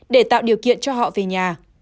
để tạo điều kiện cho họ về nhà